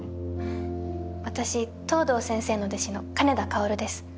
私藤堂先生の弟子の金田薫です。